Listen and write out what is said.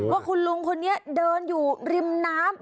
ว่าคุณลุงคนนี้เดินอยู่ริมน้ำ